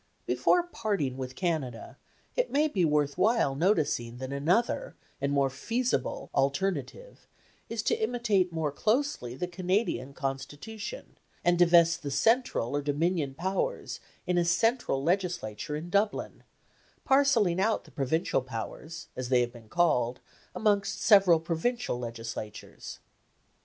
Before parting with Canada, it may be worth while noticing that another, and more feasible, alternative is to imitate more closely the Canadian Constitution, and to vest the central or Dominion powers in a central Legislature in Dublin, parcelling out the provincial powers, as they have been called, amongst several provincial Legislatures.